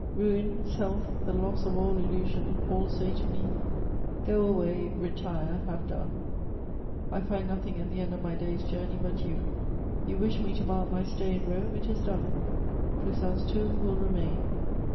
Ruins, health, the loss of all illusion, all say to me, 'Go away, retire, have done.' I find nothing at the end of my day's journey but you. You wished me to mark my stay in Rome, it is done: Poussin's tomb will remain.